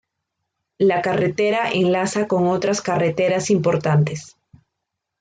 La carretera enlaza con otras carreteras importantes.